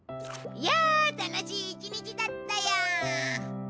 いや楽しい一日だったよ！